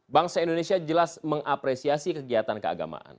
bangsa indonesia jelas mengapresiasi kegiatan keagamaan